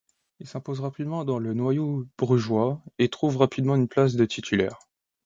Il s'impose rapidement dans le noyau brugeois, et trouve rapidement une place de titulaire.